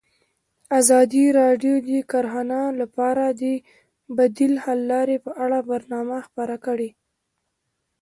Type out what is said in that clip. ازادي راډیو د کرهنه لپاره د بدیل حل لارې په اړه برنامه خپاره کړې.